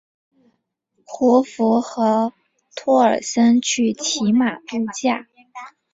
胡佛和托尔森去骑马度假。